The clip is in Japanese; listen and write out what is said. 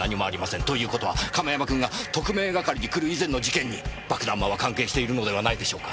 という事は亀山君が特命係に来る以前の事件に爆弾魔は関係しているのではないでしょうか。